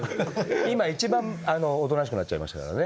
今一番おとなしくなっちゃいましたからね。